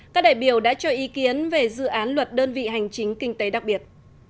các đại biểu đã cho ý kiến về dự án luật đơn vị hành chính kinh tế đặc biệt